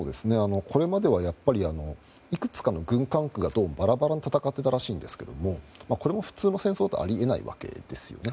これまではいくつかの軍管区でばらばらに戦っていたそうですがこれも普通の戦争ではあり得ないわけですね。